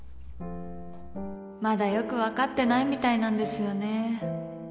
まだよくわかってないみたいなんですよね。